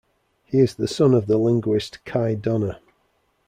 He is the son of the linguist Kai Donner.